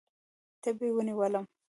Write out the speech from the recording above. تبې ونیولم.